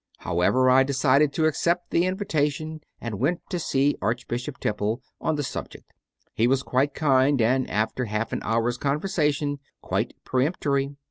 However, I decided to accept the invitation CONFESSIONS OF A CONVERT 57 and went to see Archbishop Temple on the subject He was quite kind and, after half an hour s conversa tion, quite peremptory.